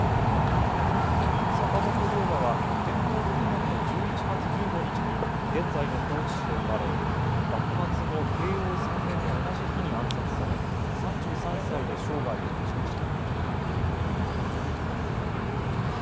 坂本龍馬は、天保６年の１１月１５日に現在の高知市で生まれ幕末の慶応３年の同じ日に暗殺され３３歳で生涯を閉じました。